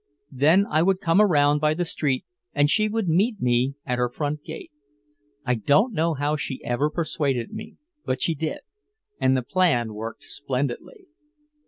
Then I would come around by the street and she would meet me at her front gate. I don't know how she ever persuaded me, but she did, and the plan worked splendidly.